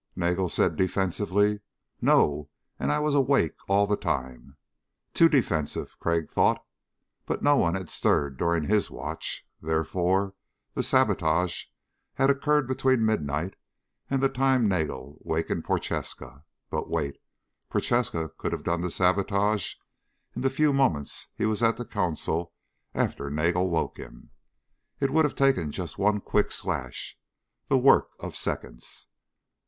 Nagel said defensively: "No, and I was awake all the time." Too defensive, Crag thought. But no one had stirred during his watch. Therefore, the sabotage had occurred between midnight and the time Nagel wakened Prochaska. But, wait ... Prochaska could have done the sabotage in the few moments he was at the console after Nagel woke him. It would have taken just one quick slash the work of seconds.